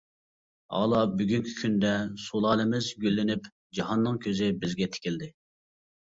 ھالا بۈگۈنكى كۈندە سۇلالىمىز گۈللىنىپ، جاھاننىڭ كۆزى بىزگە تىكىلدى.